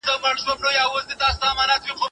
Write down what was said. پسرلي به وي شیندلي سره ګلونه